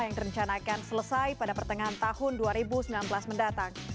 yang direncanakan selesai pada pertengahan tahun dua ribu sembilan belas mendatang